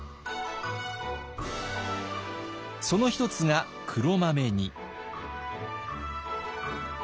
その一つが黒豆煮。